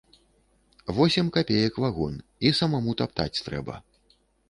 Восем капеек вагон, і самаму таптаць трэба.